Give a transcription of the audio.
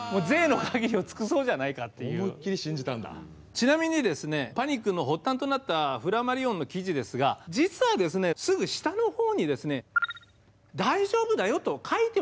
ちなみにパニックの発端となったフラマリオンの記事ですが実はすぐ下のほうに「大丈夫だよ」と書いてはいたんですよ。